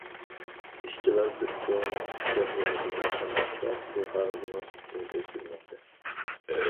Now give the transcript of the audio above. ئىشچىلار بىر چوڭ لامپۇچكا ئورنىتىلغان ساندۇقتا پۇل قەغىزىنىڭ سۈپىتىنى تەكشۈرمەكتە.